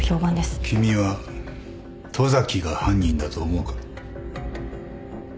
君は十崎が犯人だと思うか？